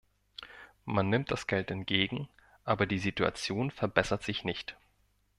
Man nimmt das Geld entgegen, aber die Situation verbessert sich nicht.